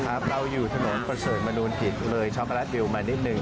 ครับเราอยู่ถนนประสงค์มนุนผิดเลยช็อคโกแลตบิวมานิดนึง